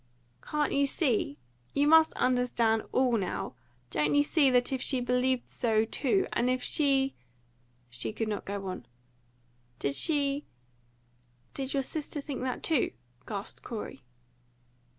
"Can't you see? You must understand all now! Don't you see that if she believed so too, and if she " She could not go on. "Did she did your sister think that too?" gasped Corey.